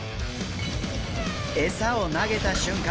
餌を投げた瞬間